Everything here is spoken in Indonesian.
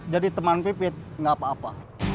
jadi teman pipit gak apa apa